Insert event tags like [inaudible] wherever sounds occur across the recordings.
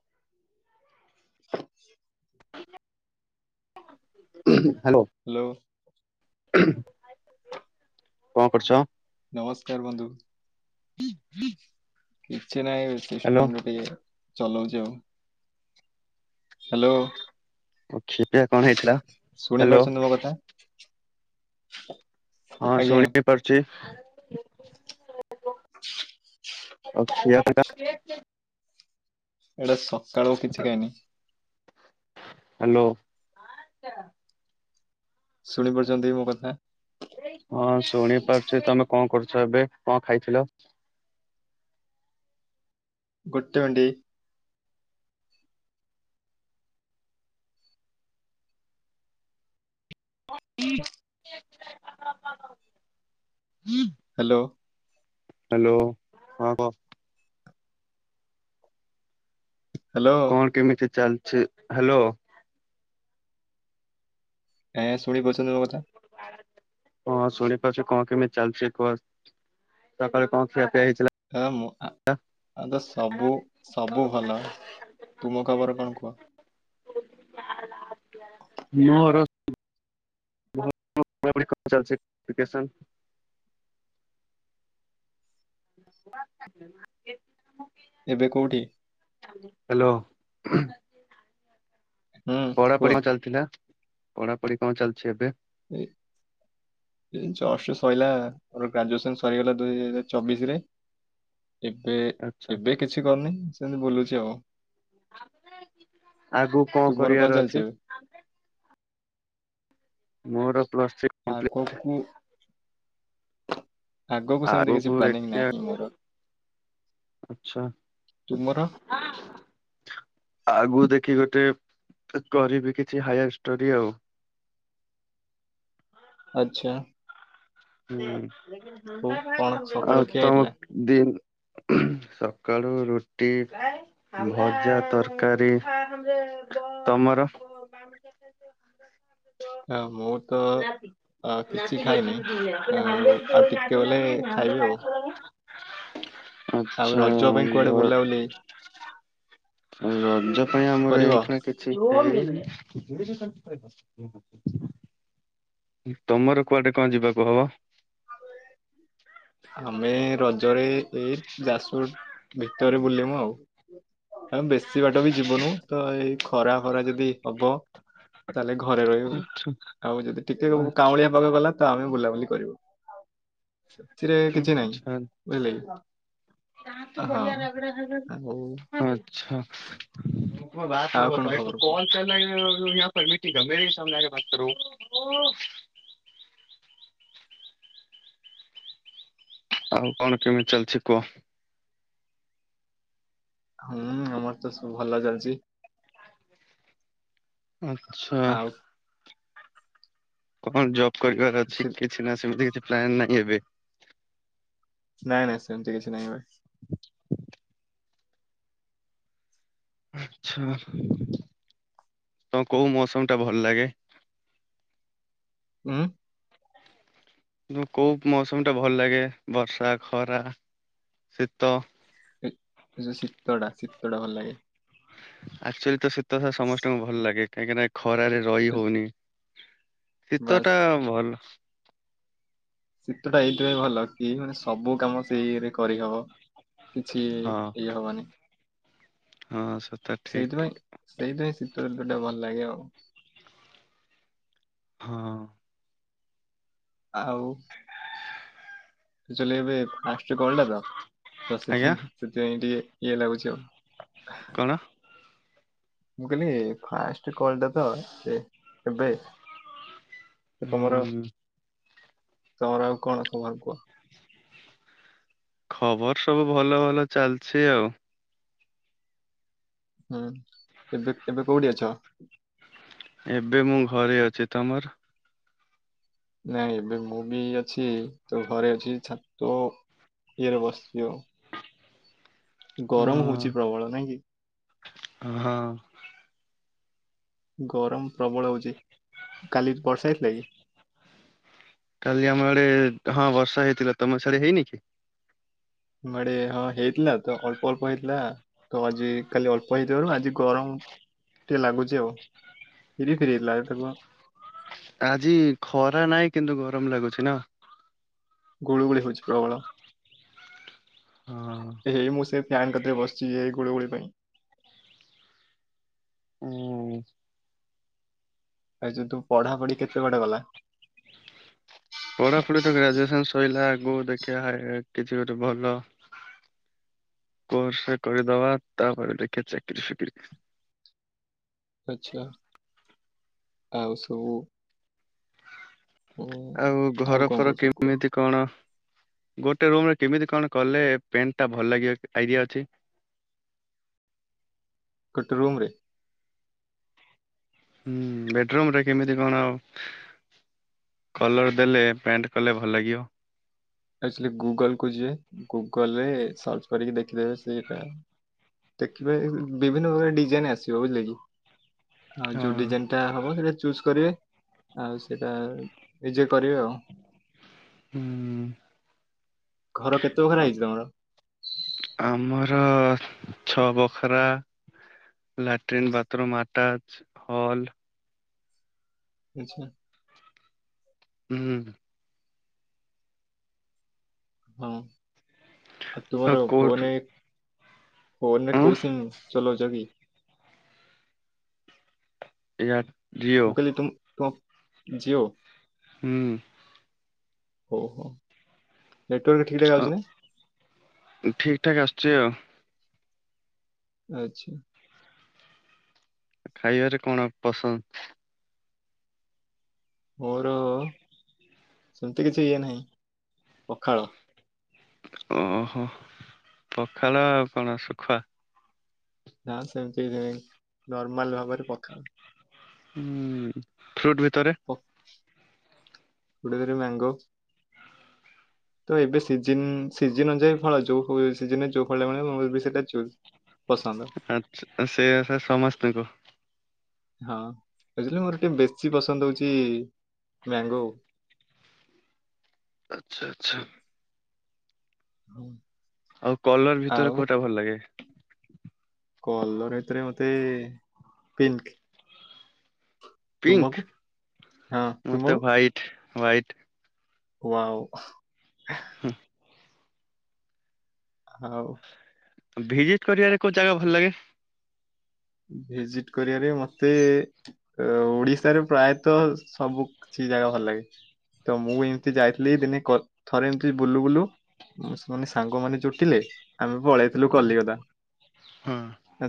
[inaudible] Hello. Hello କଣ କରୁଛ। ନମସ୍କାର ବନ୍ଧୁ। ନାଇଁ ହ୍ୟାଲୋ ସିଷ୍ଟମ ଟିକେ ଚଲାଉଛି ଆଉ। ହ୍ୟାଲୋ ଆଉ ଖିଆ କଣ ହେଇଥିଲା ଶୁଣି ହ୍ୟାଲୋ ପାରୁଛନ୍ତି ମୋ କଥା? ହ ହଁ ଶୁଣି ହିଁ ପାରୁଛି। [inaudible] ଅଛ ଏନିକା [inaudible] ଏଇଟା ସକାଳୁ ଓ କିଛି କାହିଁନି। ହ୍ୟାଲୋ। ଶୁଣି ପାରୁଛନ୍ତି ମୋ କଥା? ହଁ ଶୁଣି ପାରୁଛି ତମେ କଣ କରୁଛ ଏବେ କଣ ଖାଇଥିଲ? ଗୋଟେ ମିଟି। ହଁ ହୁଁ। ହ୍ୟାଲୋ। ହ୍ୟାଲୋ ହିଁ କହ? ହ୍ୟାଲୋ କଣ କେମିତି ଚାଲିଛି ହ୍ୟାଲୋ। ଏଁ ଶୁଣି କରୁଛନ୍ତି ମୋ କଥା? ହଁ ଶୁଣିପାରୁଛୁ କଣ କେମିତି ଚାଲିଛି କୁହ ସକାଳେ କଣ ପିଆ ହେଇଥିଲା କା ମୁ ଆ। ଆଲୋ ସବୁ ସବୁ ଭଲ ହେଲା ତୁମ ଖବର କଣ କୁହ? [inaudible] ନ ପଢା ପଢି କଣ ଚାଲିଛି ଲୋକେସନ? ଏବେ କୋଉଠି? ହ୍ୟାଲୋ [unintelligible] ହୁଁ କୁହ ପଢାପଢି କଣ ଚାଲିଥିଲା ପଢାପଢି କଣ ଚାଲିଛି ଏବେ? ହୁଁ। ଜଷ୍ଟ ସରିଲା ଆୋର ଗ୍ରାଜୁଏସନ ସରିଗଲା ଦୁଇ ହଜାର ଚବିଶ ରେ। ଏବେ ଆଚ୍ଛା ଏବେ କିଛି କରିନି ସେମିତି ବୁଲୁଛି ଆଉ। ଆଗକୁ କଣ ତୁମର କରିବାର କଣ ଅଛି ଚାଲିଛି? ମୋର ପ୍ଲସ୍ ଥ୍ରୀ କମ୍ପ୍ଲିଟ। ଆଗକୁ ଆଗକୁ ସେମିତି କିଛି ପ୍ଲାନିଂନାହିଁ ମୋର। ଆଚ୍ଛା ତୁମର? ଆଗକୁ ଦେଖି ଗୋଟେ କରିବି କିଛି ହାୟାର ଷ୍ଟୋରି ଆଉ। ଆଛା। କଣ ହୁଁ ଆଉ ସକାଳୁ ଖିଆ ତମ ହେଇଥିଲା ଦି ସକାଳୁ ରୁଟି ଭଜା ତରକାରୀ। ତମର? ଆ ମୁଁ ତ ଅ କିଛି ଖାଇନି ଆ ଆଉ ଟିକେ ଗଲେଖାଇବି ଆଉ। ଆଉ ଆଛା ରଜ ପାଇଁ କୁଆଡେ ଘର ବୁଲାବୁଲି ରଜ ପାଇଁ ଆମର କରିବ ଏଇକ୍ଷିଣା କିଛି ହେଇନି। [inaudible] ତମର କୁଆଡେ କଣ ଯିବାକୁ ହବ? ଆମେ ରଜରେ ଏଇ ଯାସପୁର ଭିତରେ ବୁଲିମୁ ଆଉ। ଆମେ ବେଶୀ ବାଟ ବି ଯିବନୁ ତ ଏଇ ଖରା ଫରା ଯଦି ହବ। ତାହେଲେ ଘରେ ରହିବୁ ଆଉ ଯଦି ଟିକେ କାଉଁଳିଆ କାଉଁଳିଆ ପାଗ ଗଲା। ତ ଆମେ ବୁଲାବୁଲି କରିବୁ ସେଥିରେ କିଛି ନାହିଁ ବୁଝିଲେ କି ତା ତ ହଁ ବଢିଆ ଲାଗ ଆଉ ଆଛା। ବା ଆଉ ମ ବୁ କଣ ଖବର କୁହ କଲ ଚାଲା [unintelligible] [unintelligible] ଆଉ କଣ କେମିତି ଚାଲିଛି କୁହ? ହୁଁ ଆମର ତ ସବୁ ଭଲ ଚାଲିଛି। ଆଛା। ଆଉ କଣ ଜବ୍ କରିବାର ଅଛି ସେ କିଛି ନା ସେମିତି କିଛି ପ୍ଲାନ ନାହିଁ ଏବେ? ନାଇଁ ନାଇଁ ସେମିତି କିଛି ନାଇଁ ଭାଇ। [inaudible] ଆଛା ତ କୋଉ ମୌସିମ ଟା ଭଲ ଲାଗେ? [inaudible] ଉଁ। କୋଉ ମୌସିମି ଟା ଭଲ ଲାଗେ ବର୍ଷା ଖରା ଶୀତ? ଏ ଯୋଉ ଶୀତଟା ଶୀତଟ୍ଟା ଭଲ ଲାଗେ। ଆକ୍ଚୁଆଲି ତ ଶୀତଥା ଶୀ- ସମସ୍ତଙ୍କୁ ଭଲ ଲାଗେ କାହିଁକି ନା ଖରାରେ ରହି ହଉନି। ଶୀତ ବାସ୍ ଟା ଭଲ ଶୀତ ଟା ଏଇଥିପାଇଁ ଭଲ କି ମାନେ ସବୁ କାମ ସେଇରେ କରିହବ। କିଛି ହଁ ଇଏ ହବନି। ହଁ। ସେଟା ଠିକ ସେଇଥିପାଇଁ ସେଇଥିପାଇଁ ଶୀତତଟା ଭଲ ଲାଗେ ଆଉ। ହଁ। ଆଉ ଆକ୍‌ଚ୍ବାଲି ଏବେ ଫାଷ୍ଟ କଲ ଟା ତ ତ ଆଜ୍ଞା ସେଥି ସେଥିପାଇଁ ଟିକେ ଇଏ ଲାଗୁଛି ଆଉ। କଣ? ମୁଁ କହିଲି ଫାଷ୍ଟ କଲଟା ତ ଏ ଏବେ ତମର ହୁଁ ତମର ଆଉ କଣ ଖବର କୁହ? ଖବର ସବୁ ଭଲ ଭଲ ଚାଲିଛି ଆଉ। ହୁଁ ଏବେ ଏବେ କୋଉଠି ଅଛ? ଏବେ ମୁଁ ଘରେ ଅଛି। ତମର? ନାଇଁ ଏବେ ମୁଁ ବି ଅଛି ତୋ ଘରେ ଅଛି ଛାତ ୟଥର ବସଚି ଆଉ। ଗରମ ହଉଚି ପ୍ରବଳ ନାଇଁ କି? ଅ ହଁ। ଗରମ ପ୍ରବଳ ହଉଚ କାଲି ବର୍ଷା ହେଇଥିଲା କି? କାଲି ଆମର ଆଡେ ହଁ ବର୍ଷା ହେଇଥିଲା, ତମ ସିଆଡ ହେଇନି କି? ଆମଡେ ହଁ ହେଇଥିଲା ତ ଅଳ୍ପ ଅଳ୍ପ ହେଇଥିଲା ତ ଆଜି କାଲି ଅଳ୍ପ ହେଇଥିବାରୁ ଆଜି ଗରମ ଟେ ଲାଗୁଛି ହଉ ଫେରି ଫେରି ଏଥିଲା ତାକ ଆଜି ଖରା ନାହିଁ କିନ୍ତୁ ଗରମ ଲାଗୁଛି ନା ଗୁଳିୁ ଗୋଳି ହଉଛି ପ୍ରବଳ। ହଁ। ଏଇ ମୁଁ ସେ ଫ୍ୟାନ କତରେ ବସିଛି ଏ ଘୋଡ଼ଗୋଳି ପାଇଁ ହୁଁ। ଆ ଯି ତୁ ପଢାପଢି କେତେବେଟେ ଗଲା ପଢାପଢି ତ ଗ୍ରାଜୁଏସନ ସରିଲା ଆଗକୁ ଦେଖିବା କିଛି ଗୋଟେ ଭଲ କୋର୍ସ କରି ଦେବା ତାପରେ ଦେଖେ ଚାକିରରି ଫକରି ଆଛା ଆଉ ସବୁ ଉଁ ଆଉ ଘର କଣ ଫର କହୁଛ କୁହ କେମିତି କଣ? ଗୋଟେ ରୁମ ରେ କେମିତି କଣ କଲେ ପେଣ୍ଟ ଟା ଭଲ ଲାଗିବ ଆଇଡିଆ ଅଛି। ଗୋଟେ ରୁମରେ? ହୁଁ ବେଡରୁୁମ ରେ କେମିତି କଣ ଆଉ। କଲର ଦେଲେ ପ୍ୟାଣ୍ଟ କଲେ ଭଲ ଲାଗିବ। ଆଚୁଆଲି ଗୁଗଲକୁୁ ଯିବେ ଗୁଗଲ ରେ ସର୍ଚ୍ଚ କରିକି ଦେଖିଦେବେ ସେଟା ଦେଖିବ ବିଭିନ୍ନ ପ୍ରକାର ଡିଜାଇନ ଆସିବ ବୁଝିଲେ କି? ହଁ ଯୋଉ ଡିଜାଇନ ଟା ହବ ସେଇଟା ଚୁଜ୍ କରିବେ? ଆଉ ସେଟା ଜେ କରିବେ ଆଉ। ହୁଁ। ଘର କେତେଖରା ହେଇଛି ତମର? ଆମର ଛଅ ବଖରା ଲାଟିନ୍ ବାଥରୁୁମ ଆଟାଚ ହଲ ଆଛା। ହୁଁ। ହଁ ଆ ଆଉ ତମର କୋଉଠୁ ଫନେ ଫୋନ ରେ ଉଁ କଉ ସିମ୍ ଚଲଉଚ୍ଚ କି? ଏ ର ମୁଁ କହିଲି ତୁମ ଫୋ ଜିଓ? ହଁ। ହ ହୋ ନେଟୱାର୍କ ଠିକ୍ ଠାକ୍ ଅ, ହଉଛି ନା? ଜିଓ? ଆଚ୍ଛା। ଖାଇବାରେ କଣ ପସନ୍ଦ! ମୋର ସେମିତି କିଛି ଇଏ ନାହିଁ ପଖାଳ। ଓହୋ ପଖାଳ ଆଉ କଣ ଶୁଖୁଆ। ନା ସେମିତି ନର୍ମାଲ ଭାବରେ ପଖାଳ। ହୁଁ, ଫ୍ରୁଟଭି ଓଃ ଗୋଟେ ଦେରେ ମ୍ୟାଙ୍ଗୋ। ତ ଏବେ ସିଜିନ, ସିଜିନ ଅନୁଯାୟୀ ଫଳ, ଯୋଉ ହୁଏ ସିଜନରେ ଯୋଉ ଫଳ ଟା [unintelligible] ସେଟା ଚୁଯ। ଆଛା, ସେୟା ସା ସମସ୍ତଙ୍କୁ ହଁ, ବୁଝିଲେ ମୋର ଟିକେ ବେଶୀ ପସନ୍ଦ ହଉଛି, ମ୍ୟାଙ୍ଗୋ। ଆଛା ଆଛା। ଉଁ। ଆଉ କଲର ଭିତରେ କୋଉଟା ଭଲ ଲାଗେ? କଲର ଭିତରେ ମତେ ପିନ୍ଙ୍କ। ପିଙ୍କ୍ ତୁମକୁ ମତେ ହ୍ୱାଇଟ୍ ହ୍ୱାଇଟ୍। ୱାଓ! ହୁଁ। ହଉ। ଭିଜିଟ୍ କରିବାରେ କୋଉ ଜାଗା ଭଲ ଲାଗେ। ଭିଜିଟ୍ କରିବାରେ ମତେ ଓଡିଶାରେ ପ୍ରାୟତଃ ସବୁ କିଛି। ଜାଗା ଭଲ ଲାଗେ। ତ ମୁଁ ଇଁତି ଯାଇଥିଲି ଦିନେ କ ଥରେ ଏମିତି ବୁଲୁ ବୁଲୁ ସେମାନେ ସାଙ୍ଗମାନେ ଜୁଟିଲେ। ଆମେ ପଳେଇଥିଲୁ ଅ, କଲିକତା। ହଁ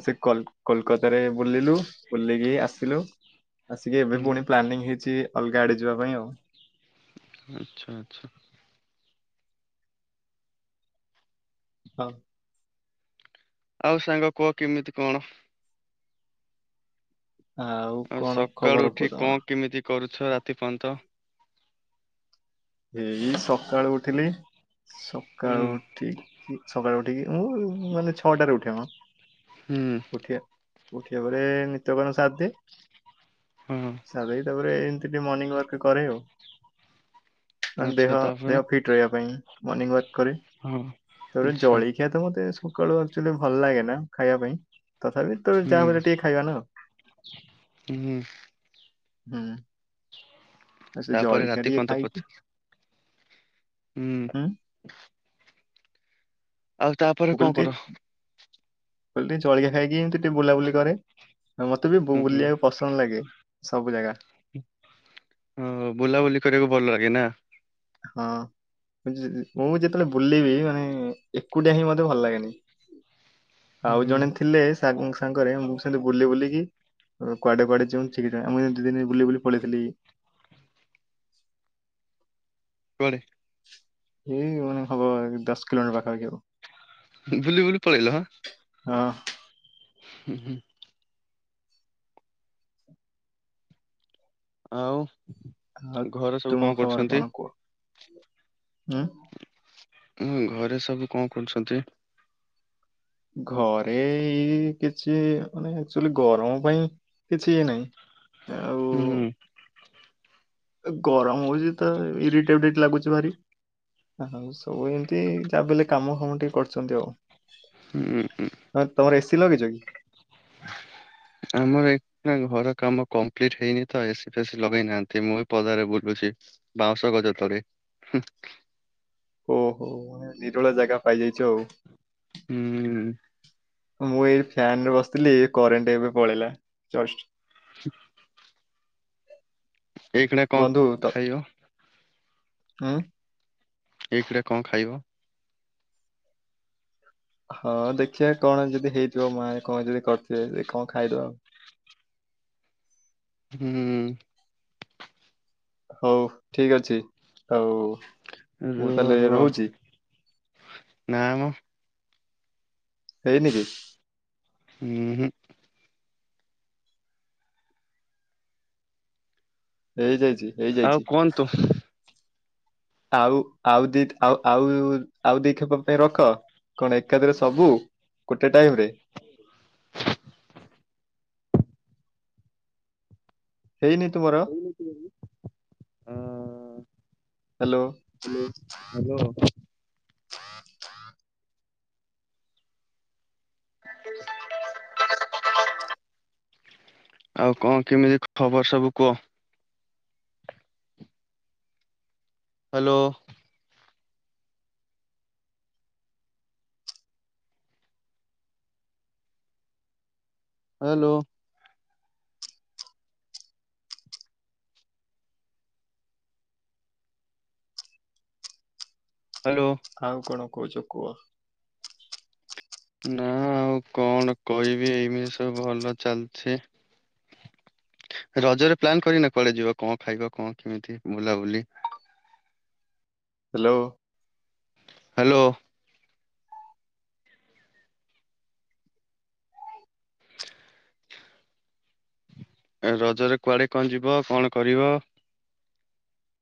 ସେ କଲ୍ କୋଲକାତାରେ ବୁଲିଲୁ। ବୁଲିକି ଆସିଲୁ, ଆସିକି ଏବେ ହୁଁ ପୁଣି ପ୍ଲାନିଂ ହେଇଛି ଅଲଗା ଆଡେ ଯିବା ପାଇଁ ଆଉ। ଆଛା ଆଛା। ହଁ। ଆଉ ସାଙ୍ଗ କୁହ କିମିତି କଣ? ଆଉ କଣ ସକାଳୁ ଖବର କୁହ ଉଠି ତମର? କଣ କିମିତି କରୁଛ ରାତି ପନ୍ତ? ଏଇ ସକାଳୁ ଉଠିଲି। ହୁଁ ସକାଳୁ ଉଠିକି, ସକାଳୁ ଉଠିକି ମୁଁ, ମାନେ ଛଅଟାରେ ଉଠେ ମ। ହୁଁ। ଉଠିବା ଉଠିବା ପରେ ନିତ୍ୟକର୍ମ ସାରି ଦିଏ। ହଁ ସାରିଦେଇକି ତା ପରେ ଏମତି ଟିକେ ମର୍ନିଙ୍ଗ ୱାର୍କ କରେ ଆଉ। କାଣ ଆଚ୍ଛା ଦେହ, ତାପରେ ଦେହ ଫିଟ୍ ରହିବା ପାଇଁ। ମର୍ନିଙ୍ଗ ୱାର୍କ କରେ। ହଁ ତାପରେ ଆଚ୍ଛା ଜଳଖିଆ ତ ମତେ ସ ସକାଳୁ ଆକ୍ଚୁଆଲି ଭଲ ଲାଗେ ନା ଖାଇବା ପାଇଁ। ତଥାପି, ତୋ ହୁଁ ଯାହା ମିଳେ ଟିକେ ଖାଇବା ନା। ହୁଁ ହୁଁ, ସେ ତାପରେ ଜଳଖିଆ ରାତି ଟିକେ ପନ୍ତ ଖାଇକି ପଛ ହୁଁ। ଆଉ ତାପରେ କଣ କର? କଇଲ ଟିକେ ଜଳିଖିଆ ଖାଇଦିଏ। ଏମିତି ଟି ବୁଲାବୁଲି କରେ ଆଉ ମତେ ବି ହୁଁ ହୁଁ ବୁଲିଆକୁ ପସନ୍ଦ ଲାଗେ। ସବୁ ଜାଗା। ହଁ, ବୁଲାବୁଲି କରିବାକୁ ଭଲ ଲାଗେ ନା। ହଁ। ମୁଁ, ଯି-ଯି-ଯେତେବେଳେ ବୁଲିବି ମାନେ ଏକୁଟିଆ ହିଁ, ମତେ ଭଲ ଲାଗେନି। ହୁଁ ଆଉ ହୁଁ ଜଣେ ଥିଲେ, ସାଗ୍ ସାଙ୍ଗରେ, ମୁଁ ସେମତି ବୁଲି ବୁଲିକି। କୁଆଡେ କୁଆଡେ ଯେଉଁ ଠିକ୍ ଠିକଣା। ଆ ମୁଁ ହିଁତି ଦିନେ ବୁଲି ବୁଲି ପଳେଇଥିଲି।। କୁଆଡେ? ଏଇ ମାନେ ହବ, ଦଶ କିଲୋମିଟର ପାଖାପାଖି ହବ। ବୁଲି ବୁଲି ପଳେଇଲ ହାଁ। ହଁ। ହୁଁ, ହୁଁ। ଆଉ ଘରେ ସବୁ କଣ କରୁଛନ୍ତି? ହୁଁ। ଉଁ ଘରେ ସବୁ କଣ କରୁଛନ୍ତି। ଘରେ ଏଇ କିଛି ମାନେ ଆକଚୁଆଲି ଗରମ ପାଇଁ କିଛି ଇଏ ନାହିଁ। ଉଁ ଆଉ ହୁଁ। ଗରମ ହଉଚି ତ ଇରିଟରିଟ ଲାଗୁଚି ଭାରି। ହଉ ସବୁ ଏମତି ଛାଡିଦେଲେ କାମ ଫାମ ଟିକେ କରୁଛନ୍ତି ଆଉ। ହୁଁ ଉଁ। ଲଗିଚକି। ଆମର ଏଇଖିଣା ଘର କାମ କମ୍ପ୍ଲିଟ ହେଇନି ତ ଏ ସି ଫେସି ଲଗେଇନାହାନ୍ତି। ମୁଁ ବି ପଦାରେ ବୁଲୁଚି। ଚି ବାଉଁଶ ଗଜ ତଳେ। ହୁଁ। ଓ ହୋ ନିରୋଳା ଜାଗା ପାଇଯାଇଚ ଆଉ। ହୁଁ ମୁଁ ଏଇ ଫ୍ୟାନ ରେ ବସିଥିଲି। କରେଣ୍ଟ ଏବେ ପଳେଇଲା ଜଷ୍ଟ। ହୁଁ। ହ ଏଇ ଖିଣା କଣ ଖାଇବ? ହଁ। ଏଇ ଖିଡା କଣ ଖାଇବ? ହଁ ଦେଖିବା କଣ ଯଦି ହେଇଥିବ। ମା କଣ ଯଦି କରିଥିବେ କଣ ଖାଇଦବା ଆଉ। ହୁଁ। ହଉ ଠିକ ଅଛି ହଉ। ରୁହ ରୁହ ନାମ। ହେଇନି କିି? ହୁଁ ହୁଁ। ହେଇ ଯାଇ ଆଉ କୁହନ୍ତୁ। ଆଉ ଆଉ ଦି ଆଉ ଆଉ ଆଉ ଦି ଖପା ପାଇଁ ରଖ। କଣ ଏକାଦରେ ସବୁ ଗୋଟେ ଟାଇମ ରେ। ହେଇନି ତୁମର? Hello hello hello. ଆଉ କଣ କେମିତି ଖବର ସବୁ କୁହ। ହାଲୋ। ହାଲୋ। ହ୍ୟାଲୋ। ଆଉ କଣ କହୁଚ କୁହ। ନା ଆଉ କଣ କହିବି ଏଇମିତି ସବୁ ଭଲ ଚାଲିଛି। ରଜରେ ପ୍ଲାନ୍ କରିନା କୁଆଡେ ଯିବା କଣ ଖାଇବା କଣ କେମିତି ବୁଲାବୁଲି। ହାଲୋ। ହାଲୋ। ଏ ରଜରେ କୁଆଡେ କଣ ଯିବ କଣ କରିବ?